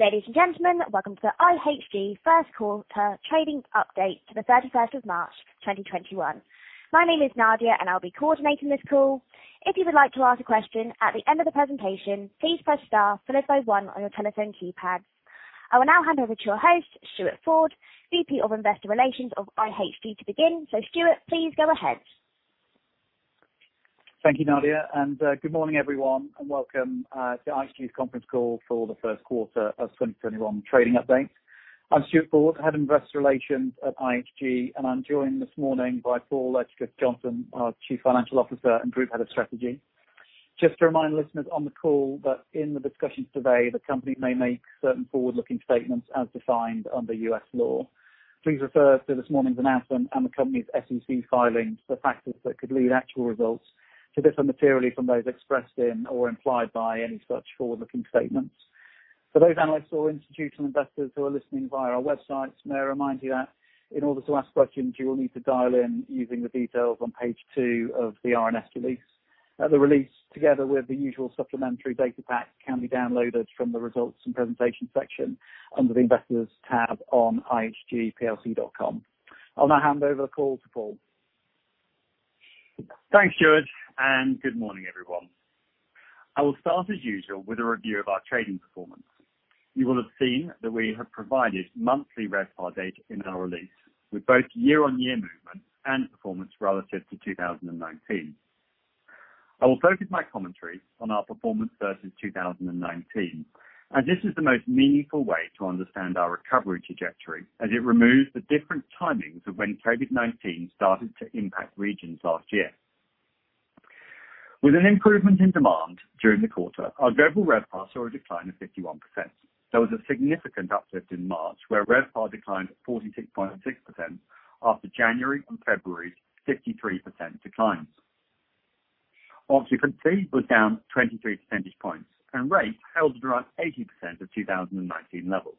Ladies and gentlemen, welcome to the IHG First Quarter Trading Update to the 31st of March 2021. My name is Nadia. I'll be coordinating this call. If you would like to ask a question at the end of the presentation, please press star followed by one on your telephone keypad. I will now hand over to your host, Stuart Ford, VP of Investor Relations of IHG to begin. Stuart, please go ahead. Thank you, Nadia. Good morning, everyone, and welcome to IHG's conference call for the first quarter of 2021 trading update. I'm Stuart Ford, Head of Investor Relations at IHG. I'm joined this morning by Paul Edgecliffe-Johnson, our Chief Financial Officer and Group Head of Strategy. Just to remind listeners on the call that in the discussions today, the company may make certain forward-looking statements as defined under U.S. law. Please refer to this morning's announcement and the company's SEC filings for factors that could lead actual results to differ materially from those expressed in or implied by any such forward-looking statements. For those analysts or institutional investors who are listening via our website, may I remind you that in order to ask questions, you will need to dial in using the details on page two of the RNS release. The release, together with the usual supplementary data pack, can be downloaded from the Results and Presentation section under the Investors tab on ihgplc.com. I'll now hand over the call to Paul. Thanks, Stuart, and good morning, everyone. I will start as usual with a review of our trading performance. You will have seen that we have provided monthly RevPAR data in our release with both year-on-year movement and performance relative to 2019. I will focus my commentary on our performance versus 2019, as this is the most meaningful way to understand our recovery trajectory as it removes the different timings of when COVID-19 started to impact regions last year. With an improvement in demand during the quarter, our global RevPAR saw a decline of 51%. There was a significant uplift in March, where RevPAR declined at 46.6% after January and February's 53% declines. Occupancy was down 23 percentage points, and rates held around 80% of 2019 levels.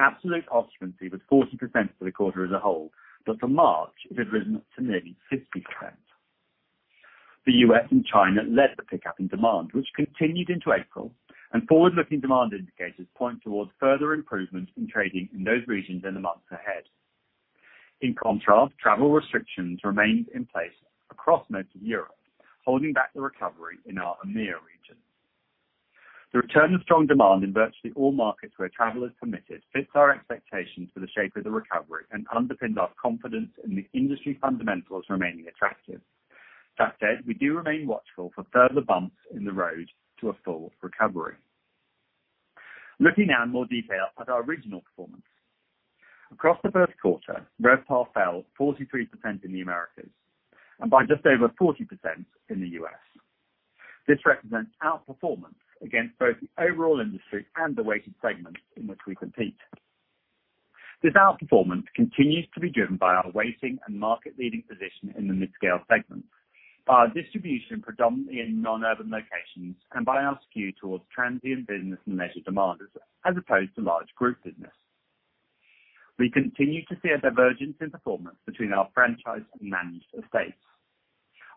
Absolute occupancy was 40% for the quarter as a whole, but for March, it had risen to nearly 50%. The U.S. and China led the pickup in demand, which continued into April, and forward-looking demand indicators point towards further improvements in trading in those regions in the months ahead. In contrast, travel restrictions remained in place across most of Europe, holding back the recovery in our EMEA region. The return of strong demand in virtually all markets where travel is permitted fits our expectations for the shape of the recovery and underpins our confidence in the industry fundamentals remaining attractive. That said, we do remain watchful for further bumps in the road to a full recovery. Looking now in more detail at our regional performance. Across the first quarter, RevPAR fell 43% in the Americas and by just over 40% in the U.S. This represents outperformance against both the overall industry and the weighted segments in which we compete. This outperformance continues to be driven by our weighting and market-leading position in the mid-scale segment, our distribution predominantly in non-urban locations, and by our skew towards transient business and leisure demand as opposed to large group business. We continue to see a divergence in performance between our franchised and managed estates.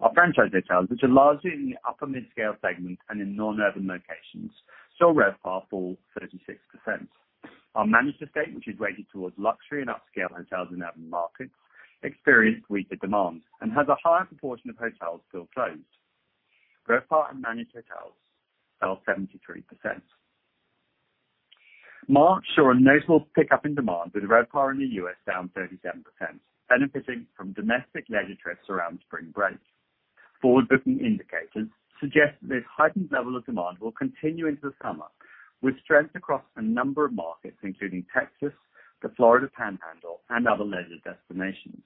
Our franchised hotels, which are largely in the upper mid-scale segment and in non-urban locations, saw RevPAR fall 36%. Our managed estate, which is weighted towards luxury and upscale hotels in urban markets, experienced weaker demand and has a higher proportion of hotels still closed. RevPAR in managed hotels fell 73%. March saw a notable pickup in demand, with RevPAR in the U.S. down 37%, benefiting from domestic leisure trips around spring break. Forward-looking indicators suggest that this heightened level of demand will continue into the summer, with strength across a number of markets, including Texas, the Florida Panhandle, and other leisure destinations.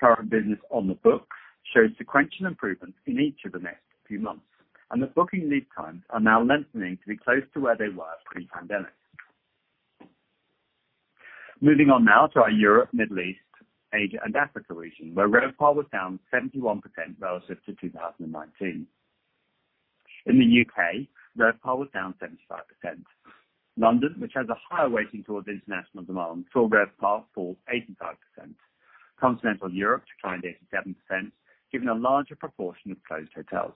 Current business on the books shows sequential improvements in each of the next few months, and the booking lead times are now lengthening to be close to where they were pre-pandemic. Moving on now to our Europe, Middle East, Asia, and Africa region, where RevPAR was down 71% relative to 2019. In the U.K., RevPAR was down 75%. London, which has a higher weighting towards international demand, saw RevPAR fall 85%. Continental Europe declined 87%, given a larger proportion of closed hotels.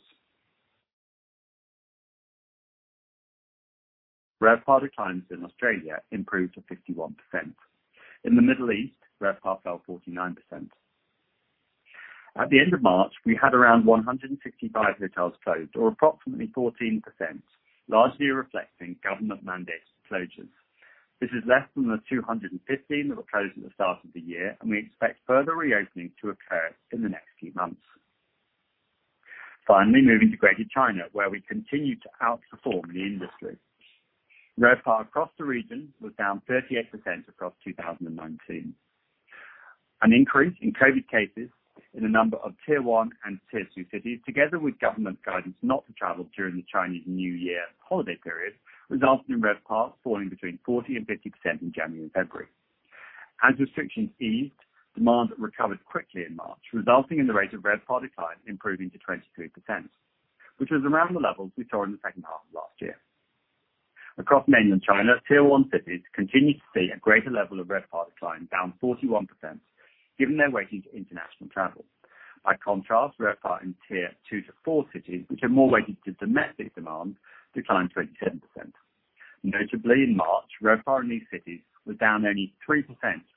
RevPAR declines in Australia improved to 51%. In the Middle East, RevPAR fell 49%. At the end of March, we had around 165 hotels closed, or approximately 14%, largely reflecting government-mandated closures. This is less than the 215 that were closed at the start of the year, and we expect further reopening to occur in the next few months. Moving to Greater China, where we continued to outperform the industry. RevPAR across the region was down 38% across 2019. An increase in COVID cases in a number of Tier 1 and Tier 2 cities, together with government guidance not to travel during the Chinese New Year holiday period, resulted in RevPAR falling between 40% and 50% in January and February. As restrictions eased, demand recovered quickly in March, resulting in the rate of RevPAR decline improving to 23%, which was around the levels we saw in the second half of last year. Across mainland China, Tier 1 cities continued to see a greater level of RevPAR decline, down 41%, given their weighting to international travel. By contrast, RevPAR in Tier 2 to 4 cities, which are more weighted to domestic demand, declined 27%. Notably in March, RevPAR in these cities was down only 3%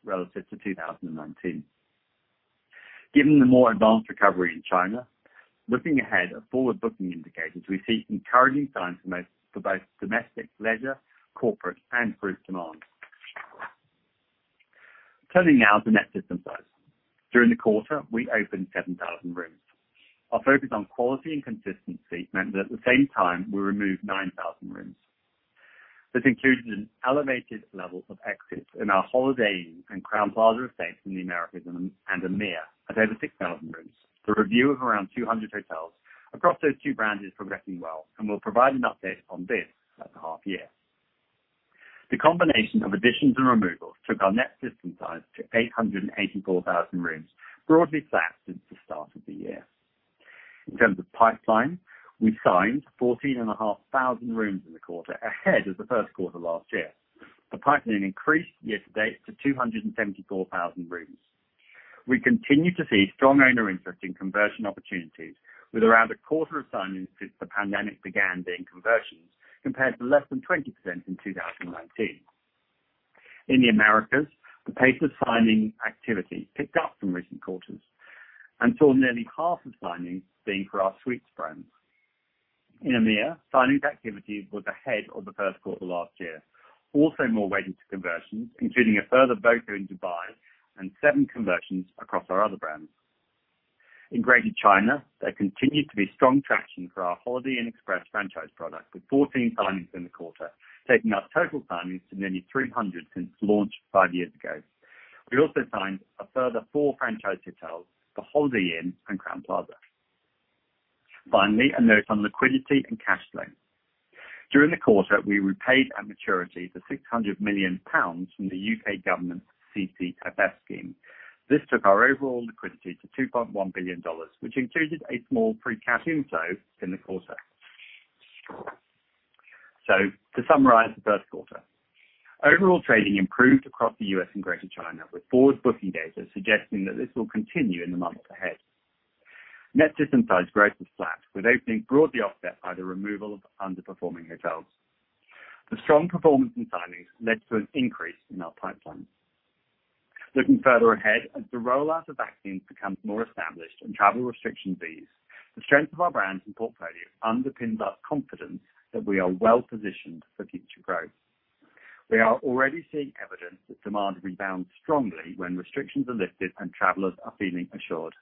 relative to 2019. Given the more advanced recovery in China, looking ahead at forward booking indicators, we see encouraging signs for both domestic leisure, corporate, and group demand. Turning now to net system size. During the quarter, we opened 7,000 rooms. Our focus on quality and consistency meant that at the same time, we removed 9,000 rooms. This included an elevated level of exits in our Holiday Inn and Crowne Plaza estates in the Americas and EMEA of over 6,000 rooms. The review of around 200 hotels across those two brands is progressing well, and we'll provide an update on this at the half year. The combination of additions and removals took our net system size to 884,000 rooms, broadly flat since the start of the year. In terms of pipeline, we signed 14,500 rooms in the quarter ahead of the first quarter last year. The pipeline increased year-to-date to 274,000 rooms. We continue to see strong owner interest in conversion opportunities with around a quarter of signings since the pandemic began being conversions, compared to less than 20% in 2019. In the Americas, the pace of signing activity picked up from recent quarters and saw nearly half of signings being for our Suites brands. In EMEA, signings activity was ahead of the first quarter last year, also more weighted to conversions, including a further voco in Dubai and seven conversions across our other brands. In Greater China, there continued to be strong traction for our Holiday Inn Express franchise product, with 14 signings in the quarter, taking our total signings to nearly 300 since launch five years ago. We also signed a further four franchise hotels for Holiday Inn and Crowne Plaza. A note on liquidity and cash flow. During the quarter, we repaid at maturity the 600 million pounds from the U.K. Government's CCFF scheme. This took our overall liquidity to $2.1 billion, which included a small free cash inflow in the quarter. To summarize the first quarter, overall trading improved across the U.S. and Greater China, with forward booking data suggesting that this will continue in the months ahead. Net system size growth was flat, with opening broadly offset by the removal of underperforming hotels. The strong performance in signings led to an increase in our pipeline. Looking further ahead, as the rollout of vaccines becomes more established and travel restrictions ease, the strength of our brands and portfolio underpins our confidence that we are well-positioned for future growth. We are already seeing evidence that demand rebounds strongly when restrictions are lifted and travelers are feeling assured.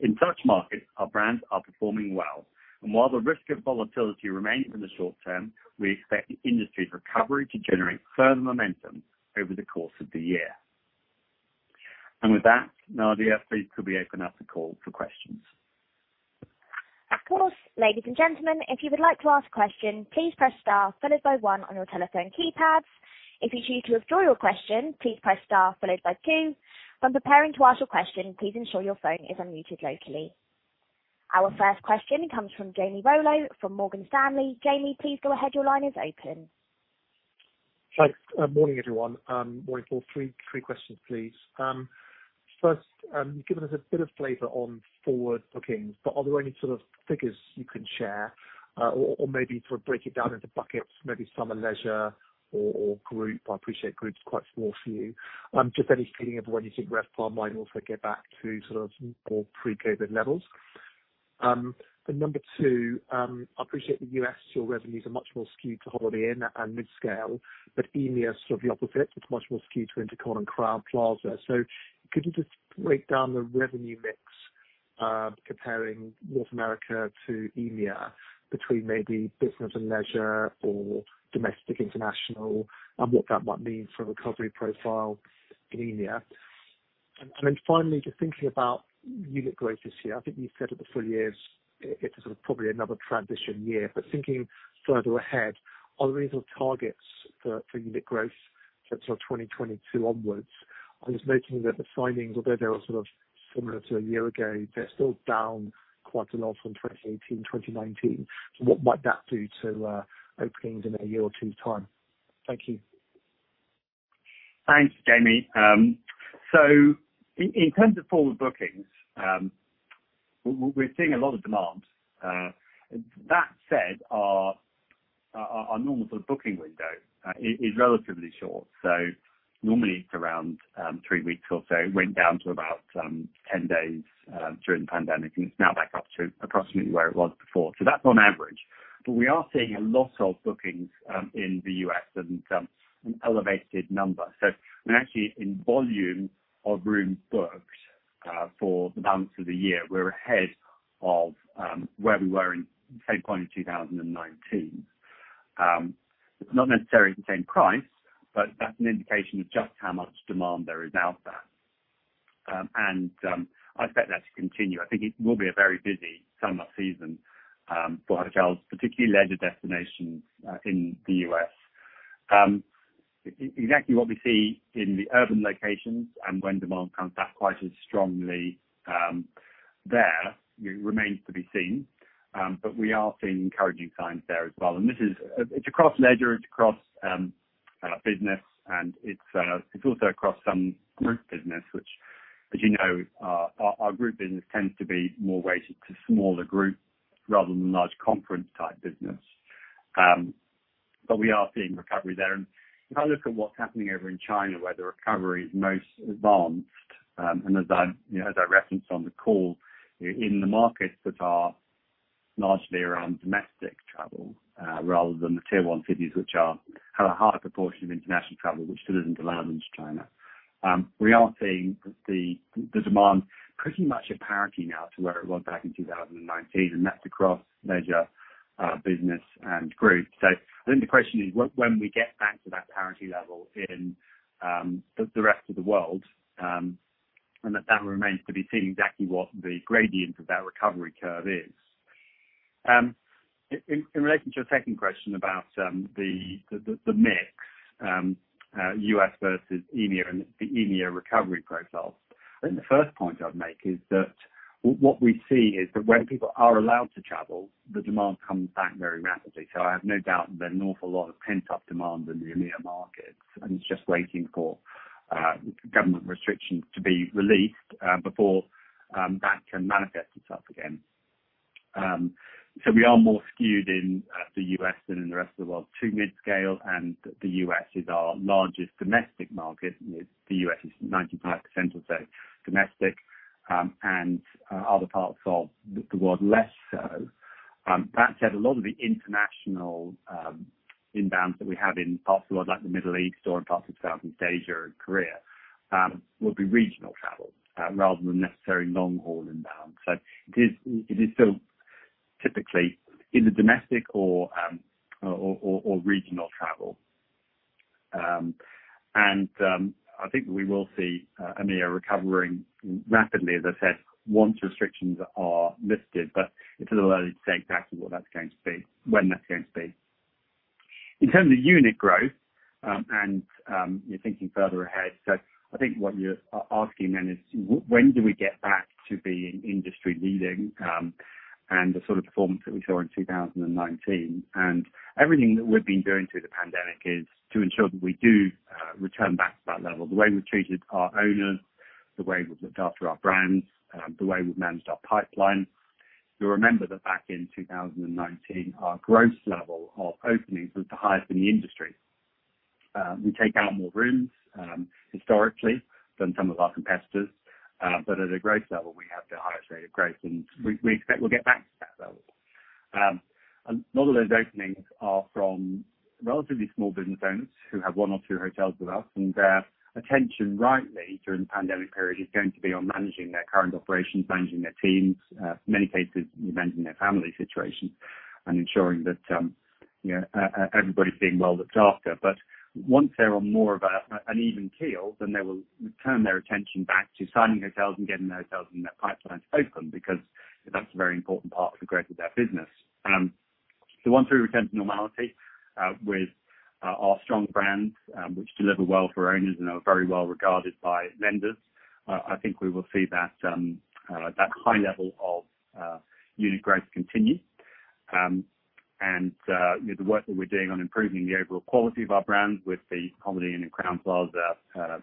In such markets, our brands are performing well, and while the risk of volatility remains in the short-term, we expect the industry's recovery to generate further momentum over the course of the year. With that, Nadia, please could we open up the call for questions? Of course. Ladies and gentlemen, if you would like to ask a question, please press star followed by one on your telephone keypad. If you wish to withdraw your question, please press star followed by two. For those planning to ask a question, please ensure your phone is unmuted locally. Our first question comes from Jamie Rollo from Morgan Stanley. Jamie, please go ahead. Your line is open. Thanks. Morning, everyone. Morning, all. Three questions, please. First, given us a bit of flavor on forward bookings, but are there any sort of figures you can share or maybe sort of break it down into buckets, maybe summer leisure or group? I appreciate group's quite small for you. Just any feeling of when you think RevPAR might also get back to sort of more pre-COVID levels. Number two, I appreciate the U.S., your revenues are much more skewed to Holiday Inn and mid-scale, but EMEA is sort of the opposite. It's much more skewed to InterContinental and Crowne Plaza. Could you just break down the revenue mix, comparing North America to EMEA, between maybe business and leisure or domestic, international, and what that might mean for recovery profile in EMEA? Finally, just thinking about unit growth this year. I think you said at the full years, it is sort of probably another transition year. Thinking further ahead, are there any sort of targets for unit growth sort of 2022 onwards? I was noting that the signings, although they were sort of similar to a year ago, they are still down quite a lot from 2018, 2019. What might that do to openings in a year or two's time? Thank you. Thanks, Jamie. In terms of forward bookings, we're seeing a lot of demand. That said, our normal sort of booking window is relatively short. Normally it's around three weeks or so. It went down to about 10 days during the pandemic, and it's now back up to approximately where it was before. That's on average. We are seeing a lot of bookings in the U.S. at an elevated number. Actually, in volume of rooms booked for the balance of the year, we're ahead of where we were in the same point in 2019. It's not necessarily the same price, but that's an indication of just how much demand there is out there. I expect that to continue. I think it will be a very busy summer season for hotels, particularly leisure destinations in the U.S. Exactly what we see in the urban locations and when demand comes back quite as strongly there remains to be seen, but we are seeing encouraging signs there as well. It's across leisure, it's across business, and it's also across some group business, which, as you know, our group business tends to be more weighted to smaller groups rather than large conference type business. We are seeing recovery there. If I look at what's happening over in China, where the recovery is most advanced, and as I referenced on the call, in the markets that are largely around domestic travel rather than the Tier 1 cities, which have a higher proportion of international travel, which still isn't allowed into China. We are seeing the demand pretty much at parity now to where it was back in 2019, and that's across major business and group. I think the question is, when we get back to that parity level in the rest of the world, and that remains to be seen exactly what the gradient of that recovery curve is. In relation to your second question about the mix, U.S. versus EMEA and the EMEA recovery profile, I think the first point I'd make is that what we see is that when people are allowed to travel, the demand comes back very rapidly. I have no doubt there's an awful lot of pent-up demand in the EMEA markets, and it's just waiting for government restrictions to be released before that can manifest itself again. We are more skewed in the U.S. than in the rest of the world to mid-scale, and the U.S. is our largest domestic market. The U.S. is 95% or so domestic, and other parts of the world, less so. That said, a lot of the international inbounds that we have in parts of the world, like the Middle East or in parts of Southeast Asia and Korea will be regional travel rather than necessarily long-haul inbound. It is still typically either domestic or regional travel. I think we will see EMEA recovering rapidly, as I said, once restrictions are lifted, but it's a little early to say exactly when that's going to be. In terms of unit growth, you're thinking further ahead, I think what you're asking then is when do we get back to being industry-leading and the sort of performance that we saw in 2019? Everything that we've been doing through the pandemic is to ensure that we do return back to that level, the way we've treated our owners, the way we've looked after our brands, the way we've managed our pipeline. You'll remember that back in 2019, our growth level of openings was the highest in the industry. We take out more rooms, historically, than some of our competitors, but at a growth level, we have the highest rate of growth, and we expect we'll get back to that level. A lot of those openings are from relatively small business owners who have one or two hotels with us, and their attention, rightly, during the pandemic period, is going to be on managing their current operations, managing their teams, in many cases, managing their family situations and ensuring that everybody's being well looked after. Once they're on more of an even keel, then they will return their attention back to signing hotels and getting their hotels and their pipeline open, because that's a very important part of the growth of their business. Once we return to normality with our strong brands which deliver well for owners and are very well regarded by lenders, I think we will see that high level of unit growth continue. The work that we're doing on improving the overall quality of our brands with the Holiday Inn and Crowne Plaza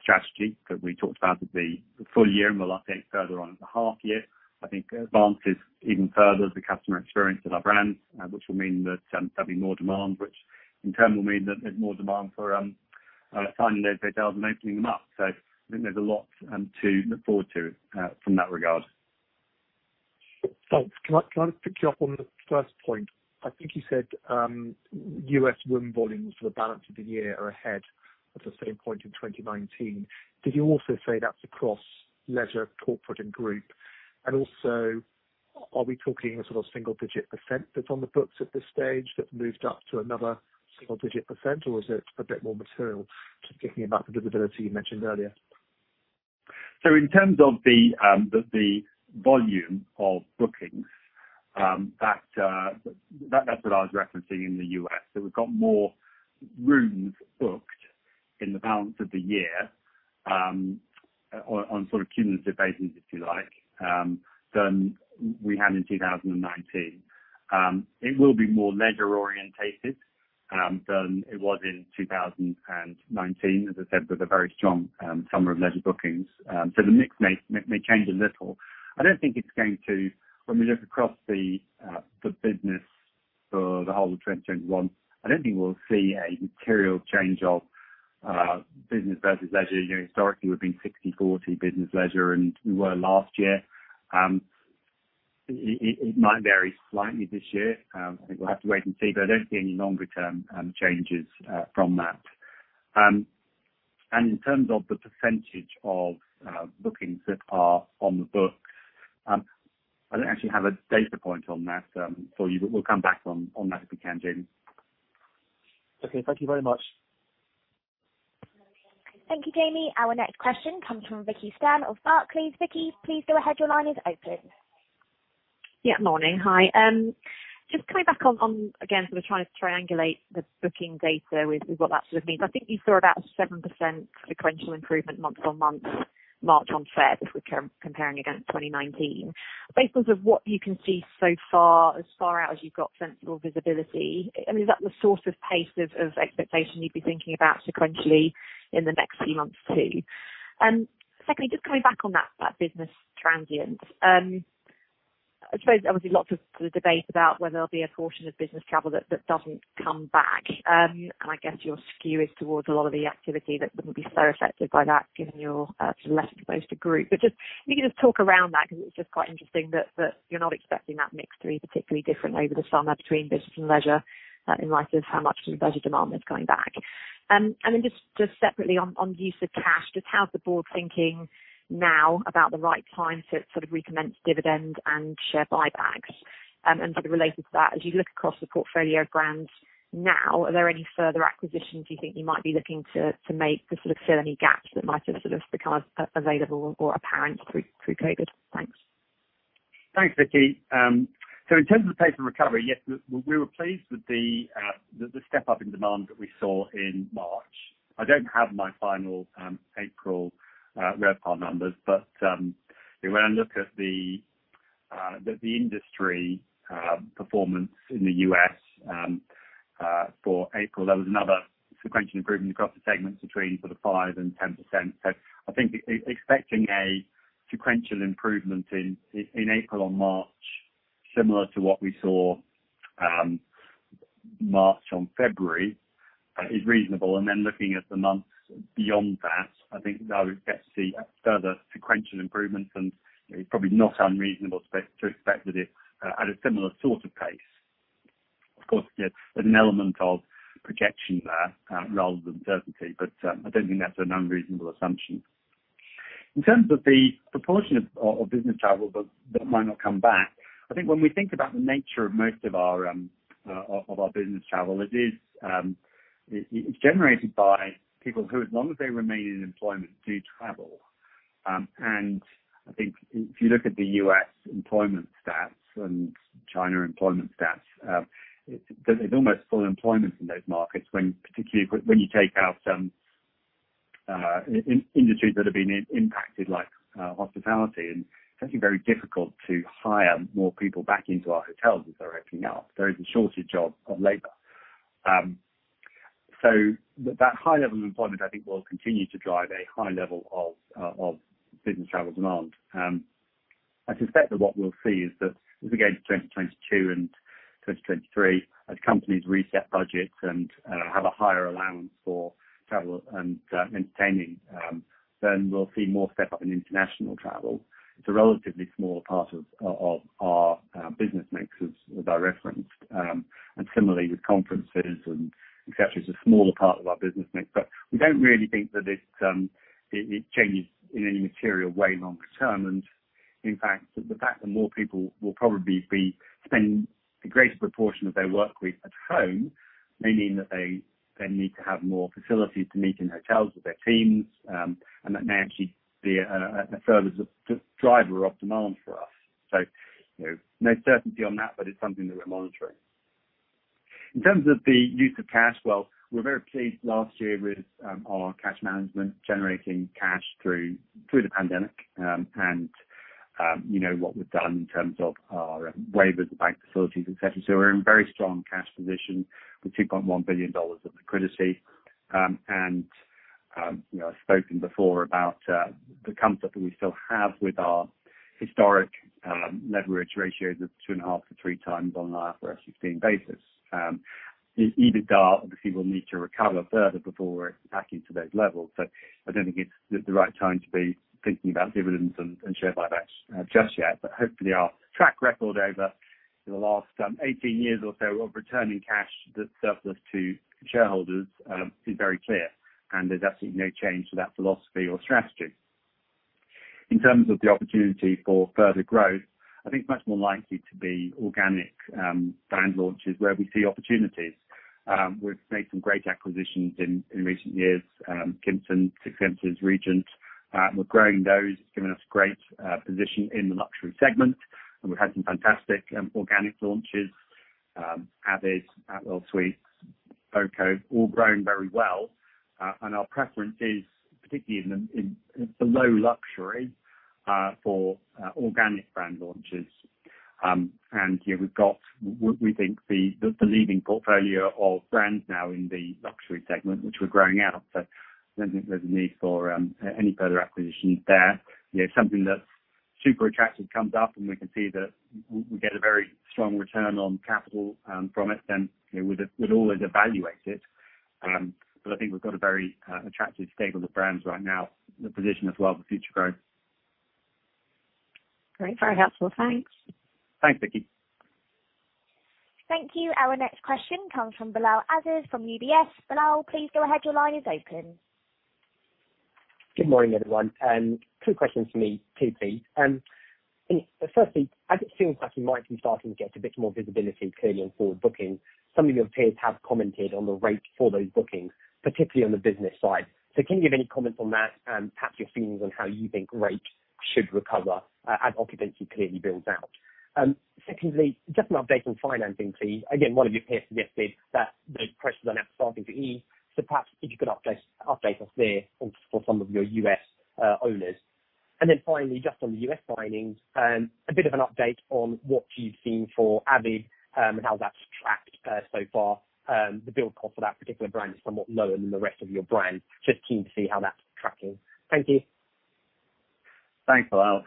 strategy that we talked about at the full year and we'll update further on at the half year. I think advances even further the customer experience of our brands, which will mean that there'll be more demand, which in turn will mean that there's more demand for signing those hotels and opening them up. I think there's a lot to look forward to from that regard. Thanks. Can I just pick you up on the first point? I think you said, U.S. room volumes for the balance of the year are ahead of the same point in 2019. Did you also say that's across leisure, corporate, and group? Also, are we talking a sort of single-digit percent that's on the books at this stage that moved up to another single-digit percent, or is it a bit more material, just thinking about the visibility you mentioned earlier? In terms of the volume of bookings, that's what I was referencing in the U.S. We've got more rooms booked in the balance of the year on sort of cumulative basis, if you like, than we had in 2019. It will be more leisure-orientated than it was in 2019, as I said, with a very strong summer of leisure bookings. The mix may change a little. I don't think it's going to. When we look across the business for the whole of 2021, I don't think we'll see a material change of business versus leisure. Historically, we've been 60/40 business, leisure, and we were last year. It might vary slightly this year. I think we'll have to wait and see, but I don't see any longer-term changes from that. In terms of the percentage of bookings that are on the books, I don't actually have a data point on that for you, but we'll come back on that if we can, Jamie. Okay. Thank you very much. Thank you, Jamie. Our next question comes from Vicki Stern of Barclays. Vicki, please go ahead. Your line is open. Yeah, morning. Hi. Again, sort of trying to triangulate the booking data with what that sort of means. I think you saw about a 7% sequential improvement month-on-month March on Feb, if we're comparing against 2019. Based on what you can see so far, as far out as you've got sensible visibility, and is that the source of pace of expectation you'd be thinking about sequentially in the next few months, too? Secondly, just coming back on that business transient, I suppose obviously lots of debate about whether there'll be a portion of business travel that doesn't come back. I guess your skew is towards a lot of the activity that wouldn't be so affected by that, given your less exposed group. If you could just talk around that, because it's just quite interesting that you're not expecting that mix to be particularly different over the summer between business and leisure, in light of how much leisure demand is going back. Just separately on use of cash, just how's the board thinking now about the right time to recommence dividends and share buybacks? Sort of related to that, as you look across the portfolio of brands now, are there any further acquisitions you think you might be looking to make to fill any gaps that might have become available or apparent through COVID? Thanks. Thanks, Vicki. In terms of the pace of recovery, yes, we were pleased with the step-up in demand that we saw in March. I don't have my final April RevPAR numbers. When I look at the industry performance in the U.S. for April, there was another sequential improvement across the segments between sort of 5% and 10%. I think expecting a sequential improvement in April on March, similar to what we saw March on February, is reasonable. Looking at the months beyond that, I think that would get the further sequential improvements and probably not unreasonable to expect at a similar sort of pace. Of course, an element of projection there rather than certainty. I don't think that's an unreasonable assumption. In terms of the proportion of business travel that might not come back, I think when we think about the nature of most of our business travel, it's generated by people who, as long as they remain in employment, do travel. I think if you look at the U.S. employment stats and China employment stats, there's almost full employment in those markets, particularly when you take out industries that have been impacted, like hospitality, and it's actually very difficult to hire more people back into our hotels as they're opening up. There is a shortage of labor. That high level of employment, I think, will continue to drive a high level of business travel demand. I suspect that what we'll see is that as we get into 2022 and 2023, as companies reset budgets and have a higher allowance for travel and entertaining, then we'll see more step-up in international travel. It's a relatively small part of our business mix as I referenced. Similarly with conferences and et cetera, it's a smaller part of our business mix, but we don't really think that it changes in any material way longer term. In fact, the fact that more people will probably be spending a greater proportion of their work week at home may mean that they then need to have more facilities to meet in hotels with their teams, and that may actually be a further driver of demand for us. No certainty on that, but it's something that we're monitoring. In terms of the use of cash, well, we're very pleased last year with our cash management generating cash through the pandemic and what we've done in terms of our waivers and bank facilities, et cetera. We're in very strong cash position with $2.1 billion of liquidity. I've spoken before about the comfort that we still have with our historic leverage ratios of 2.5x to 3x on an IFRS 16 basis. EBITDA, obviously, will need to recover further before we're back into those levels. I don't think it's the right time to be thinking about dividends and share buybacks just yet. Hopefully our track record over the last 18 years or so of returning cash surplus to shareholders is very clear, and there's absolutely no change to that philosophy or strategy. In terms of the opportunity for further growth, I think it's much more likely to be organic brand launches where we see opportunities. We've made some great acquisitions in recent years, Kimpton, Six Senses, Regent. We're growing those. It's given us great position in the luxury segment, and we've had some fantastic organic launches, avid, Atwell Suites, voco, all grown very well. Our preference is particularly in the below luxury for organic brand launches. We've got, we think, the leading portfolio of brands now in the luxury segment, which we're growing out. I don't think there's a need for any further acquisitions there. If something that's super attractive comes up and we can see that we get a very strong return on capital from it, then we'd always evaluate it. I think we've got a very attractive stable of brands right now, the position as well for future growth. Great. Very helpful. Thanks. Thanks, Vicki. Thank you. Our next question comes from Bilal Aziz from UBS. Bilal, please go ahead. Your line is open. Good morning, everyone. Two questions from me, two, please. Firstly, as it seems like you might be starting to get a bit more visibility clearly on forward bookings, some of your peers have commented on the rate for those bookings, particularly on the business side. Can you give any comments on that and perhaps your feelings on how you think rates should recover as occupancy clearly builds out. Just an update on financing, please. One of your peers suggested that the pressures on outstanding FF&E. Perhaps if you could update us there for some of your U.S. owners. Finally, just on the U.S. signings, a bit of an update on what you've seen for avid and how that's tracked so far. The build cost for that particular brand is somewhat lower than the rest of your brands. Just keen to see how that's tracking. Thank you. Thanks, Bilal.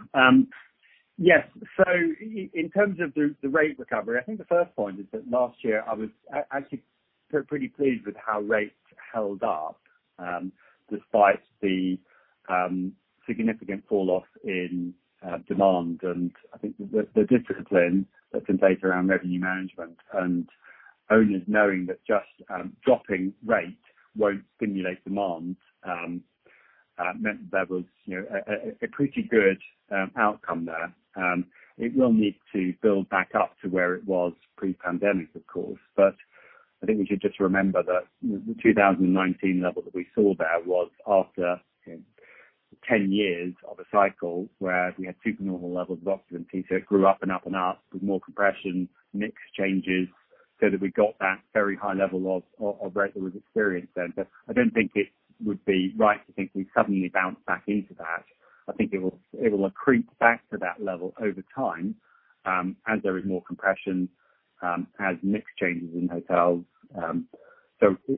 Yes. In terms of the rate recovery, I think the first point is that last year I was actually pretty pleased with how rates held up despite the significant fall-off in demand. I think the discipline that's been taken around revenue management and owners knowing that just dropping rates won't stimulate demand meant there was a pretty good outcome there. It will need to build back up to where it was pre-pandemic, of course, but I think we should just remember that the 2019 level that we saw there was after 10 years of a cycle where we had super normal levels of occupancy that grew up and up and up with more compression, mix changes, so that we got that very high level of rate that was experienced then. I don't think it would be right to think we'd suddenly bounce back into that. I think it will accrete back to that level over time as there is more compression, as mix changes in hotels.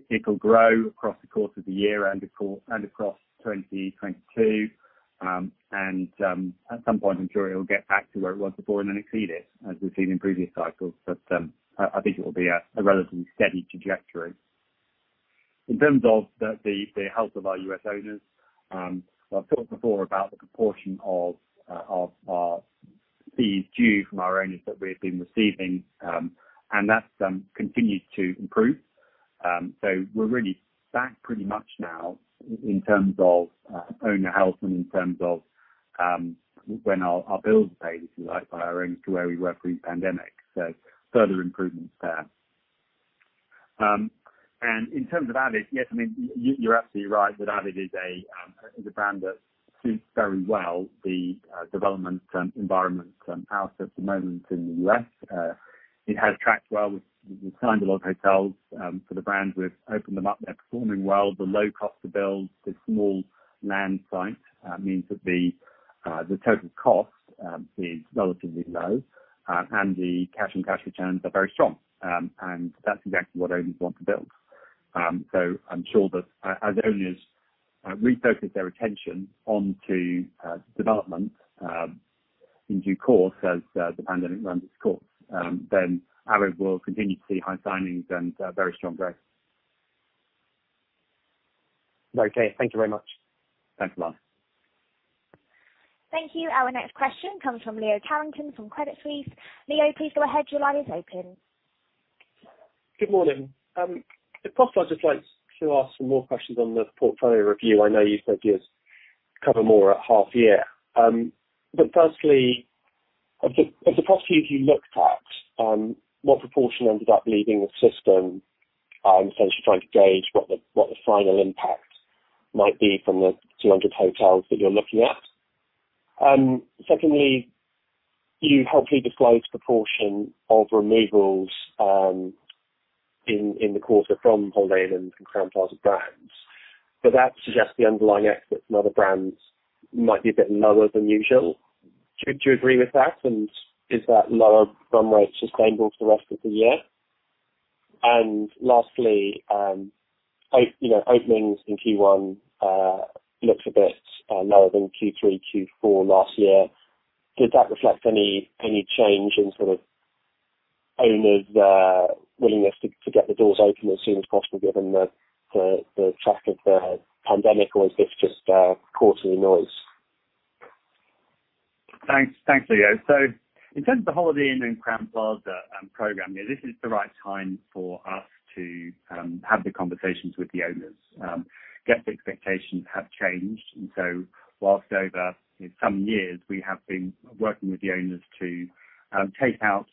It'll grow across the course of the year and across 2022. At some point, I'm sure it'll get back to where it was before and then exceed it, as we've seen in previous cycles. I think it will be a relatively steady trajectory. In terms of the health of our U.S. owners, I've talked before about the proportion of fees due from our owners that we've been receiving, and that's continued to improve. We're really back pretty much now in terms of owner health and in terms of when our bills are paid, if you like, by our owners to where we were pre-pandemic. Further improvements there. In terms of avid, yes, you're absolutely right that avid is a brand that suits very well the development environment out there at the moment in the U.S. It has tracked well. We've signed a lot of hotels for the brand. We've opened them up. They're performing well. The low cost to build the small land site means that the total cost is relatively low and the cash and cash returns are very strong. That's exactly what owners want to build. I'm sure that as owners refocus their attention onto development in due course as the pandemic runs its course, then avid will continue to see high signings and very strong growth. Okay. Thank you very much. Thanks, Bilal. Thank you. Our next question comes from Leo Carrington from Credit Suisse. Leo, please go ahead. Your line is open. Good morning. If possible, I'd just like to ask some more questions on the portfolio review. I know you said you'd cover more at half year. Firstly, of the properties you looked at, what proportion ended up leaving the system? I'm essentially trying to gauge what the final impact might be from the 200 hotels that you're looking at. Secondly, you helpfully disclosed proportion of removals in the quarter from Holiday Inn and Crowne Plaza brands, but that suggests the underlying efforts from other brands might be a bit lower than usual. Do you agree with that? Is that lower runway sustainable for the rest of the year? Lastly, openings in Q1 looked a bit lower than Q3, Q4 last year. Did that reflect any change in owners' willingness to get the doors open as soon as possible given the track of the pandemic, or is this just quarterly noise? Thanks, Leo. In terms of the Holiday Inn and Crowne Plaza program, this is the right time for us to have the conversations with the owners. Guest expectations have changed, and so whilst over some years we have been working with the owners to take out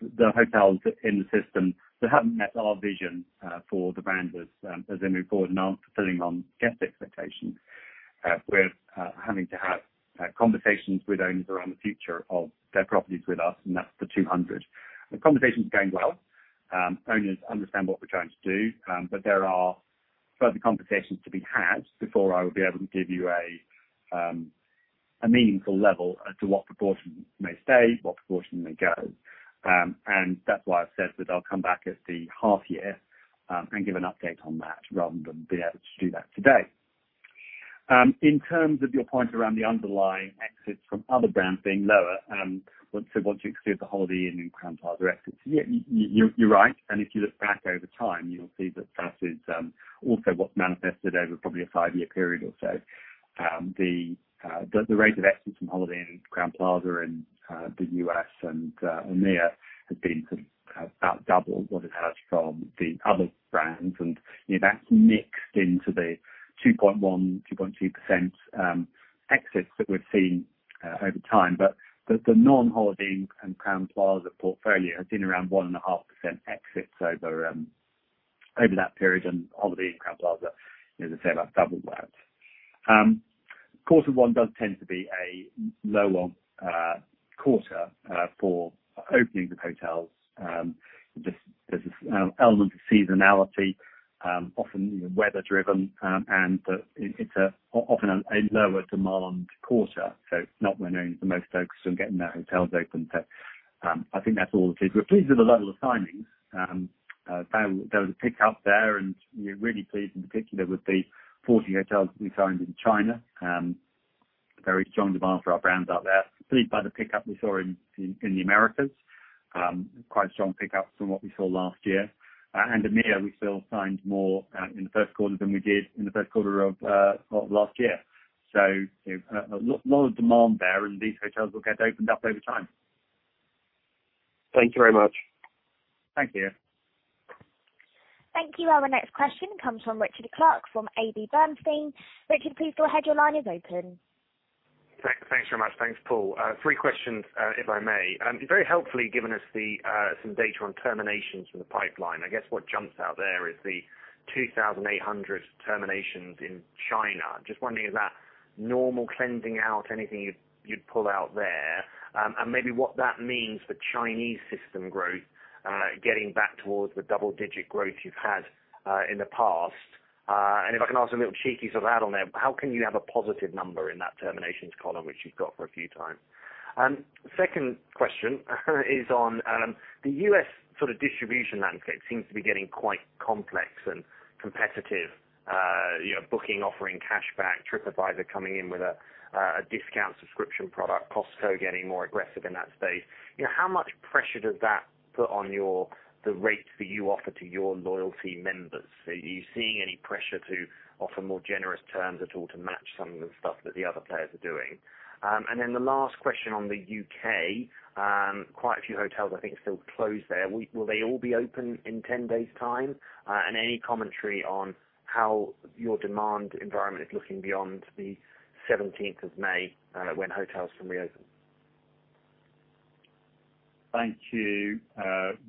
the hotels in the system that haven't met our vision for the brand as they move forward and aren't fulfilling on guest expectations. We're having to have conversations with owners around the future of their properties with us, and that's the 200. The conversation is going well. Owners understand what we're trying to do. There are further conversations to be had before I will be able to give you a meaningful level as to what proportion may stay, what proportion may go. That's why I've said that I'll come back at the half year and give an update on that rather than be able to do that today. In terms of your point around the underlying exits from other brands being lower, once you exclude the Holiday Inn and Crowne Plaza exits, you're right. If you look back over time, you'll see that that is also what's manifested over probably a five-year period or so. The rate of exits from Holiday Inn and Crowne Plaza in the U.S. and EMEA has been sort of about double what it has from the other brands, and that's mixed into the 2.1%-2.2% exits that we've seen over time. The non-Holiday Inn and Crowne Plaza portfolio has been around 1.5% exits over that period and Holiday Inn, Crowne Plaza, as I say, about doubled that. Quarter one does tend to be a lower quarter for openings of hotels. There's this element of seasonality, often weather-driven, and it's often a lower demand quarter, so not when there's the most focus on getting the hotels open. I think that's all it is. We're pleased with the level of signings. There was a pickup there and we're really pleased, in particular, with the 40 hotels that we signed in China. Very strong demand for our brands out there. Pleased by the pickup we saw in the Americas. Quite a strong pickup from what we saw last year. EMEA, we still signed more in the first quarter than we did in the first quarter of last year. A lot of demand there and these hotels will get opened up over time. Thank you very much. Thank you. Thank you. Our next question comes from Richard Clarke from AB Bernstein. Richard, please go ahead. Your line is open. Thanks very much. Thanks, Paul. Three questions, if I may. You very helpfully given us some data on terminations from the pipeline. I guess what jumps out there is the 2,800 terminations in China. Just wondering, is that normal cleansing out anything you'd pull out there? Maybe what that means for Chinese system growth, getting back towards the double-digit growth you've had in the past. If I can ask a little cheeky sort of add-on there, how can you have a positive number in that terminations column, which you've got for a few times? Second question is on the U.S. sort of distribution landscape seems to be getting quite complex and competitive. Booking.com offering cashback, TripAdvisor coming in with a discount subscription product, Costco getting more aggressive in that space. How much pressure does that put on the rates that you offer to your loyalty members? Are you seeing any pressure to offer more generous terms at all to match some of the stuff that the other players are doing? Then the last question on the U.K., quite a few hotels, I think, still closed there. Will they all be open in 10 days' time? Any commentary on how your demand environment is looking beyond the 17th of May when hotels can reopen. Thank you,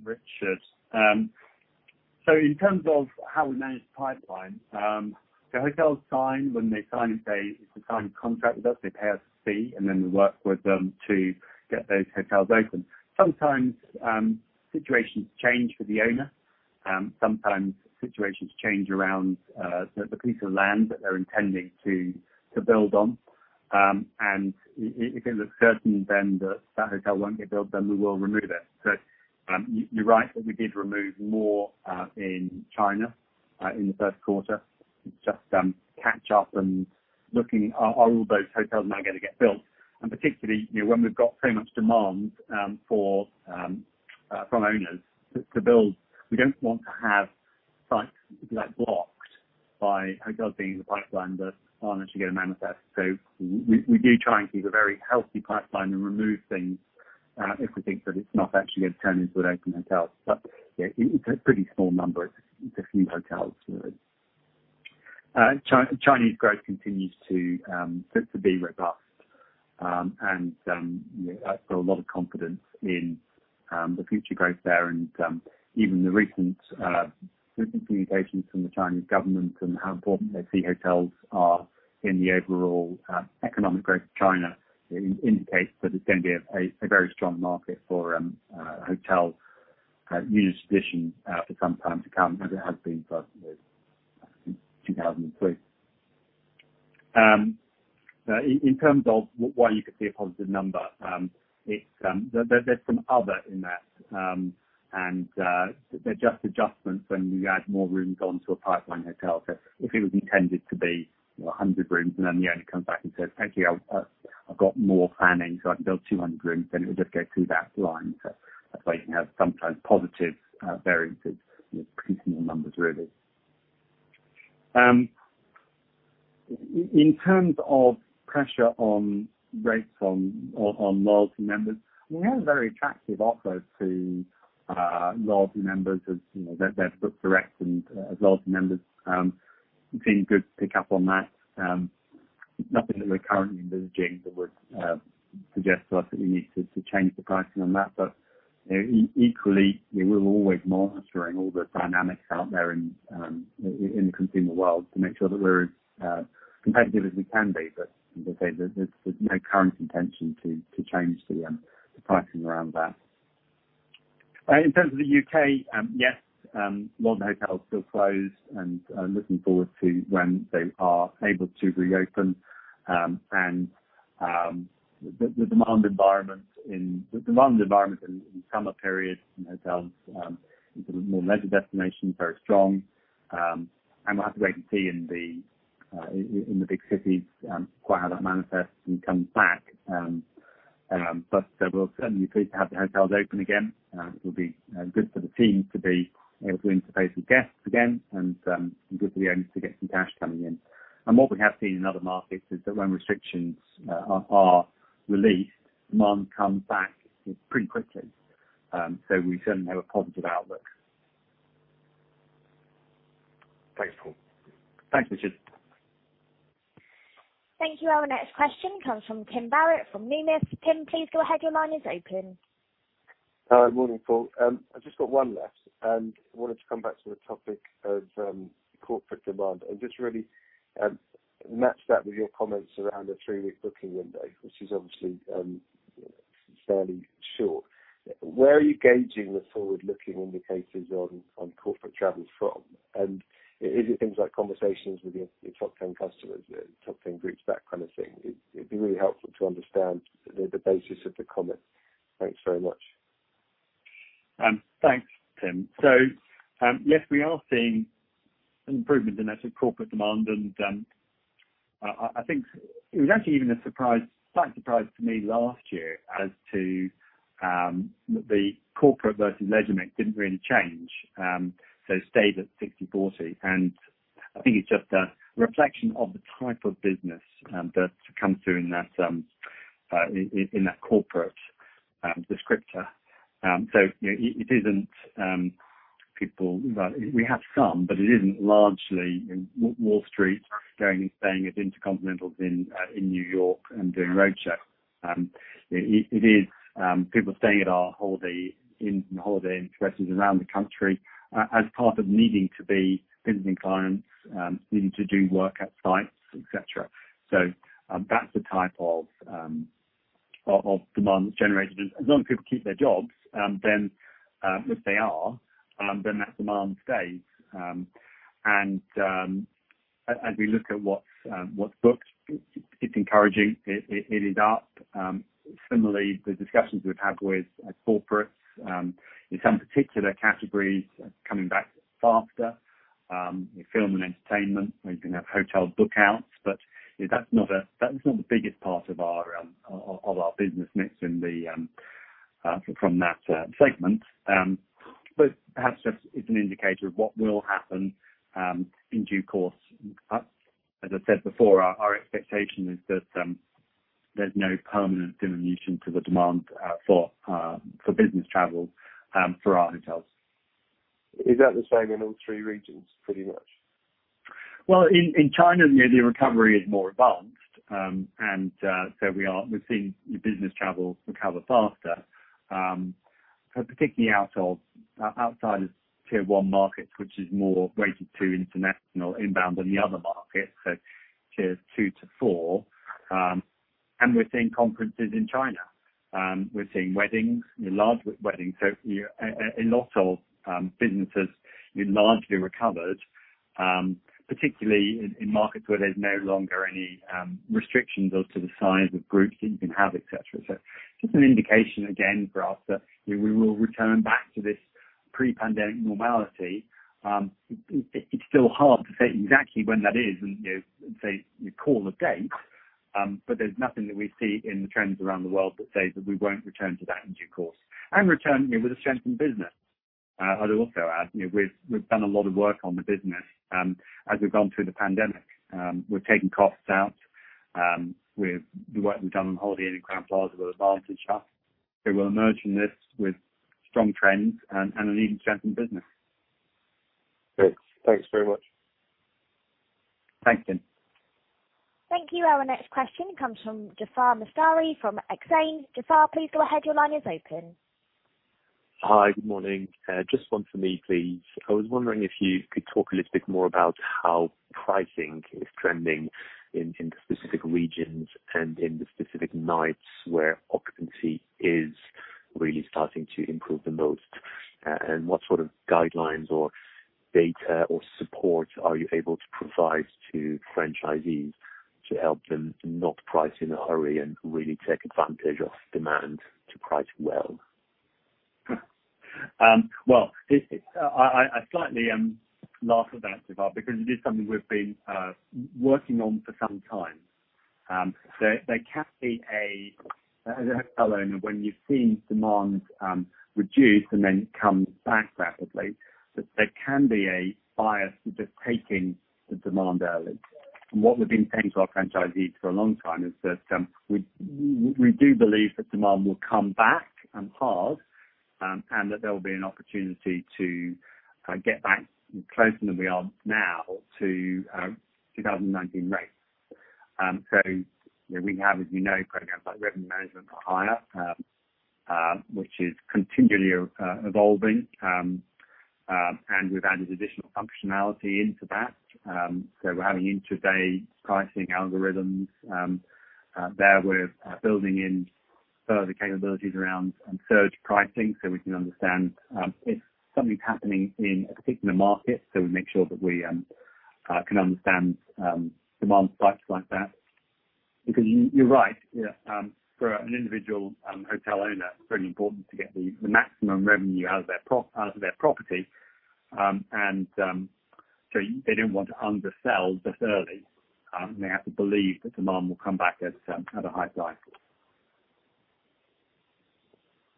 Richard. In terms of how we manage the pipeline, the hotels sign, when they sign, if they sign a contract with us, they pay us a fee, and then we work with them to get those hotels open. Sometimes situations change for the owner, sometimes situations change around the piece of land that they're intending to build on. If it looks certain then that that hotel won't get built, then we will remove it. You're right that we did remove more in China in the first quarter. It's just catch up and looking, are all those hotels now going to get built? Particularly, when we've got so much demand from owners to build, we don't want to have sites be blocked by hotels being in the pipeline that aren't actually going to manifest. We do try and keep a very healthy pipeline and remove things if we think that it's not actually going to turn into an open hotel. It's a pretty small number. It's a few hotels. Chinese growth continues to be robust. I've got a lot of confidence in the future growth there. Even the recent communications from the Chinese government and how important they see hotels are in the overall economic growth of China indicates that it's going to be a very strong market for hotel new additions for some time to come, as it has been since 2003. In terms of why you could see a positive number, there's some other in that, and they're just adjustments when you add more rooms onto a pipeline hotel. If it was intended to be 100 rooms and then the owner comes back and says, "Actually, I've got more planning, so I can build 200 rooms," then it will just go through that line. That's why you can have sometimes positive variances with consumer numbers, really. In terms of pressure on rates on loyalty members, we have a very attractive offer to loyalty members as they book direct, and loyalty members have seen good pickup on that. Nothing that we're currently envisaging that would suggest to us that we need to change the pricing on that. Equally, we're always monitoring all the dynamics out there in the consumer world to make sure that we're as competitive as we can be. As I say, there's no current intention to change the pricing around that. In terms of the U.K., yes, a lot of the hotels are still closed, looking forward to when they are able to reopen. The demand environment in summer periods in hotels in sort of more leisure destinations, very strong. We'll have to wait and see in the big cities quite how that manifests and comes back. We'll certainly be pleased to have the hotels open again. It'll be good for the teams to be able to interface with guests again and good for the owners to get some cash coming in. What we have seen in other markets is that when restrictions are released, demand comes back pretty quickly. We certainly have a positive outlook. Thanks, Paul. Thanks, Richard. Thank you. Our next question comes from Tim Barrett from Numis. Tim, please go ahead. Your line is open. Hi. Morning, Paul. Wanted to come back to the topic of corporate demand and just really match that with your comments around a three-week booking window, which is obviously fairly short. Where are you gauging the forward-looking indicators on corporate travel from? Is it things like conversations with your top 10 customers, top 10 groups, that kind of thing? It'd be really helpful to understand the basis of the comment. Thanks very much. Thanks, Tim. Yes, we are seeing an improvement in that corporate demand, and I think it was actually even a slight surprise to me last year as to the corporate versus leisure mix didn't really change. It stayed at 60/40. I think it's just a reflection of the type of business that comes through in that corporate descriptor. It isn't people, we have some, but it isn't largely Wall Street going and staying at InterContinental in New York and doing roadshows. It is people staying at our Holiday Inn Express around the country as part of needing to be visiting clients, needing to do work at sites, etc. That's the type of demand that's generated. As long as people keep their jobs, then, if they are, then that demand stays. As we look at what's booked, it's encouraging. It is up. Similarly, the discussions we've had with corporates in some particular categories are coming back faster. In film and entertainment, we can have hotel bookouts, but that's not the biggest part of our business mix from that segment. Perhaps just is an indicator of what will happen in due course. As I said before, our expectation is that there's no permanent diminution to the demand for business travel for our hotels. Is that the same in all three regions, pretty much? Well, in China, the recovery is more advanced. We're seeing business travel recover faster, particularly outside of Tier 1 markets, which is more weighted to international inbound than the other markets, so Tiers 2 to 4. We're seeing conferences in China. We're seeing weddings, large weddings. A lot of businesses largely recovered, particularly in markets where there's no longer any restrictions as to the size of groups that you can have, et cetera. Just an indication, again, for us that we will return back to this pre-pandemic normality. It's still hard to say exactly when that is and say, call a date, but there's nothing that we see in the trends around the world that says that we won't return to that in due course. Return with a strengthened business. I'd also add, we've done a lot of work on the business as we've gone through the pandemic. We've taken costs out. The work we've done on Holiday Inn Crowne Plaza will have advantaged us. We'll emerge from this with strong trends and an even strengthened business. Great. Thanks very much. Thanks, Tim. Thank you. Our next question comes from Jaafar Mestari from Exane. Jaafar, please go ahead. Your line is open. Hi. Good morning. Just one for me, please. I was wondering if you could talk a little bit more about how pricing is trending in the specific regions and in the specific nights where occupancy is really starting to improve the most, and what sort of guidelines or data or support are you able to provide to franchisees to help them not price in a hurry and really take advantage of demand to price well? Well, I slightly laugh at that, Jaafar, because it is something we've been working on for some time. As a hotel owner, when you've seen demand reduce and then come back rapidly, there can be a bias to just taking the demand early. What we've been saying to our franchisees for a long time is that we do believe that demand will come back hard and that there will be an opportunity to get back closer than we are now to 2019 rates. We have, as you know, programs like Revenue Management for Hire, which is continually evolving. We've added additional functionality into that. We're having intra-day pricing algorithms there. We're building in further capabilities around surge pricing so we can understand if something's happening in a particular market, so we make sure that we can understand demand spikes like that. You're right, for an individual hotel owner, it's very important to get the maximum revenue out of their property, and so they don't want to undersell this early. They have to believe that demand will come back at a high price.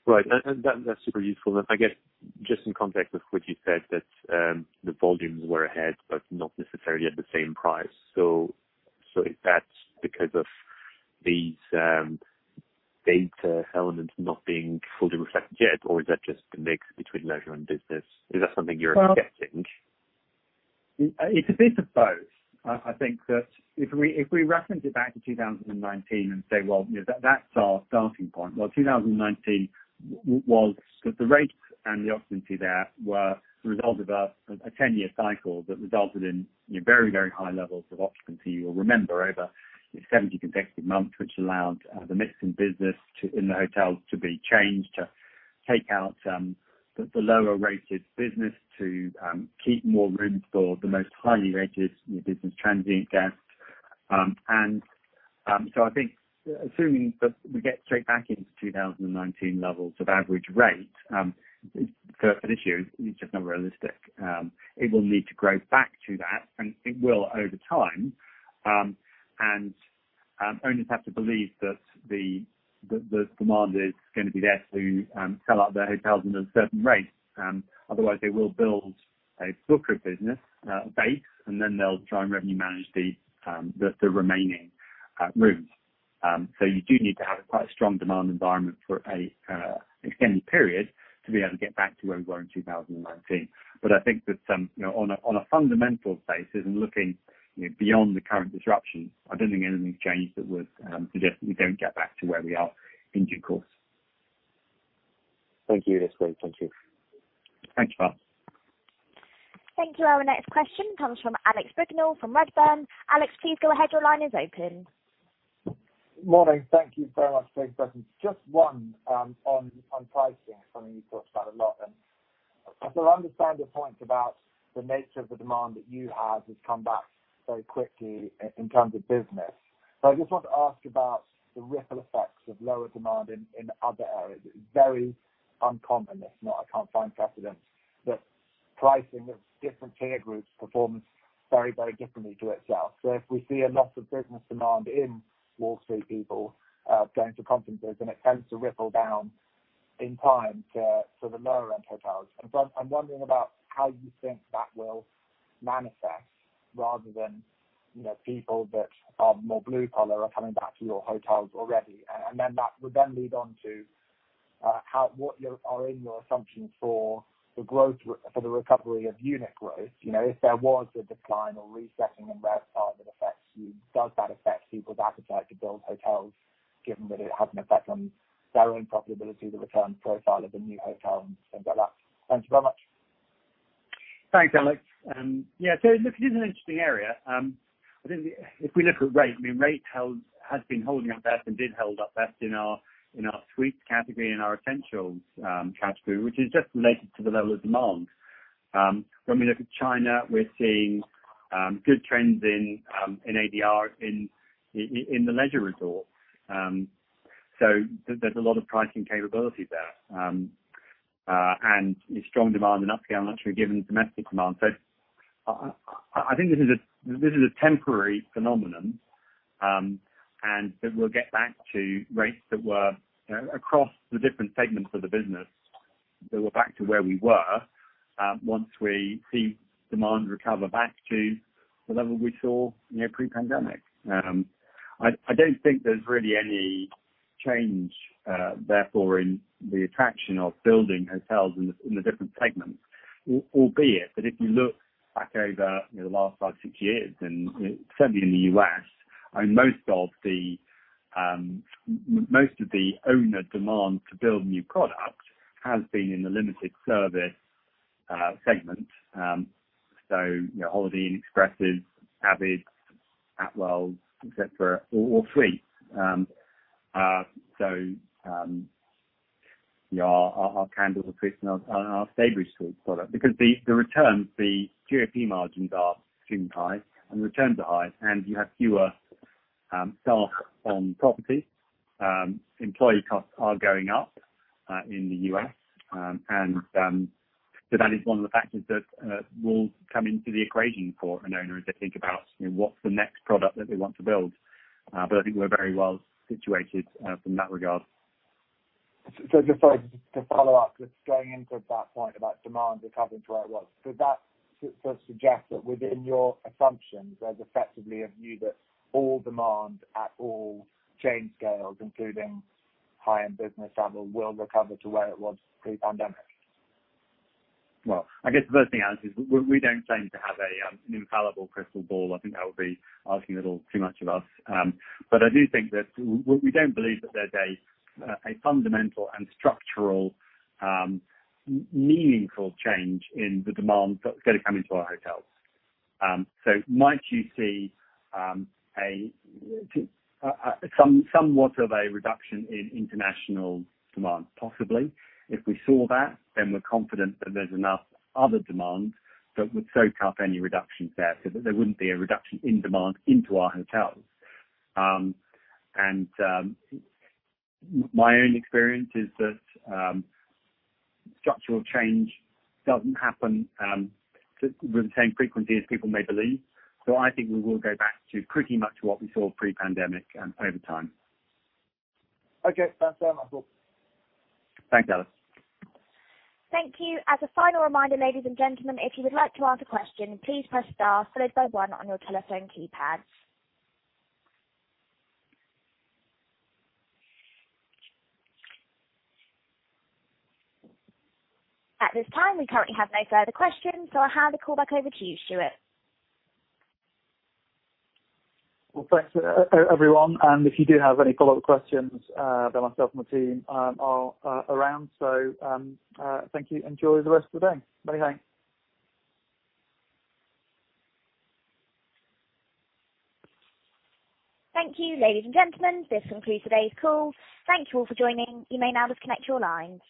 Right. That is super useful. I guess just in context of what you said, that the volumes were ahead but not necessarily at the same price. Is that because of these data elements not being fully reflected yet, or is that just the mix between leisure and business? Is that something you are expecting? It's a bit of both. I think that if we referenced it back to 2019 and say, that's our starting point. 2019, the rates and the occupancy there were the result of a 10-year cycle that resulted in very high levels of occupancy. You'll remember over 70 consecutive months, which allowed the mix in business in the hotels to be changed to take out the lower-rated business to keep more rooms for the most highly rated business transient guests. I think, assuming that we get straight back into 2019 levels of average rate for this year is just not realistic. It will need to grow back to that, and it will over time. Owners have to believe that the demand is going to be there to fill up their hotels in a certain rate. They will build a booked business base, and then they'll try and revenue manage the remaining rooms. You do need to have quite a strong demand environment for an extended period to be able to get back to where we were in 2019. I think that on a fundamental basis and looking beyond the current disruption, I don't think anything's changed that would suggest that we don't get back to where we are in due course. Thank you. That's great. Thank you. Thanks, Jaafar. Thank you. Our next question comes from Alex Brignall from Redburn. Alex, please go ahead. Morning. Thank you very much for taking questions. Just one on pricing, something you talked about a lot, I still understand your point about the nature of the demand that you have has come back very quickly in terms of business. I just want to ask about the ripple effects of lower demand in other areas. It's very uncommon. It's not I can't find precedence, pricing of different tier groups performs very differently to itself. If we see a loss of business demand in Wall Street people going to conferences, it tends to ripple down in time to the lower-end hotels. I'm wondering about how you think that will manifest rather than people that are more blue-collar are coming back to your hotels already. That would then lead on to what are in your assumptions for the recovery of unit growth. If there was a decline or resetting in RevPAR that affects you, does that affect people's appetite to build hotels, given that it has an effect on their own profitability, the return profile of the new hotel, and things like that? Thank you very much. Thanks, Alex. It is an interesting area. If we look at rate, I mean, rate has been holding up best and did hold up best in our Suites category and our Essentials category, which is just related to the level of demand. When we look at China, we're seeing good trends in ADR in the leisure resorts. There's a lot of pricing capability there and strong demand in upscale and luxury given the domestic demand. I think this is a temporary phenomenon, and that we'll get back to rates that were across the different segments of the business that were back to where we were once we see demand recover back to the level we saw pre-pandemic. I don't think there's really any change, therefore, in the attraction of building hotels in the different segments, albeit that if you look back over the last five, six years and certainly in the U.S., most of the owner demand to build new product has been in the limited service segment. Holiday Inn Expresses, avid, Atwells, et cetera, or Suites. Our Candlewood Suites and our Staybridge Suite product because the returns, the GOP margins are extremely high and the returns are high and you have fewer staff on property. Employee costs are going up in the U.S., and so that is one of the factors that will come into the equation for an owner as they think about what's the next product that they want to build. I think we're very well situated from that regard. Just to follow up, just going into that point about demand recovering to where it was, does that suggest that within your assumptions, there's effectively a view that all demand at all chain scales, including high-end business travel, will recover to where it was pre-pandemic? I guess the first thing I'll say is we don't claim to have an infallible crystal ball. I think that would be asking a little too much of us. I do think that we don't believe that there's a fundamental and structural meaningful change in the demand that's going to come into our hotels. Might you see somewhat of a reduction in international demand? Possibly. If we saw that, then we're confident that there's enough other demand that would soak up any reductions there so that there wouldn't be a reduction in demand into our hotels. My own experience is that structural change doesn't happen with the same frequency as people may believe. I think we will go back to pretty much what we saw pre-pandemic over time. Okay. Thanks very much, Paul. Thanks, Alex. Thank you. As a final reminder, ladies and gentlemen, if you would like to ask a question, please press star followed by one on your telephone keypad. At this time, we currently have no further questions, so I'll hand the call back over to you, Stuart. Well, thanks, everyone, and if you do have any follow-up questions, then myself and my team are around. Thank you. Enjoy the rest of the day. Many thanks. Thank you, ladies and gentlemen. This concludes today's call. Thank you all for joining. You may now disconnect your lines.